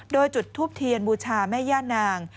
โดยจุดทูปเทียนบูชาแม่ย่านาง